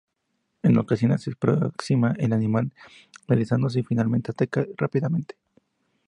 En ocasiones, se aproxima al animal deslizándose y, finalmente, ataca rápidamente.